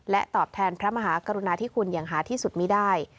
ตอบแทนพระมหากรุณาที่คุณอย่างหาที่สุดมีได้